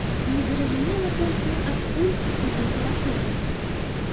Незразумела толькі, адкуль і куды пераходзім.